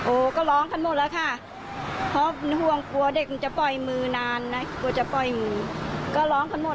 โอ้โหก็ร้องขันหมดละค่ะเพราะมีหวมกลัวเด็กมันจะปล่อยมือนานนะกลัวจะปล่อยมือก็ร้องขันหมดละค่ะร้องแถวนี่ก็หมด